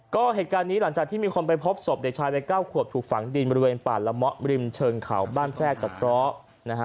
ก็เหตุการณ์นี้หลังจากที่มีคนไปพบสบเด็กชายไปก้าวขวบถูกฝังดินบริเวณป่าระมะริมเชิงเขาบ้านแพรกตะต๊อ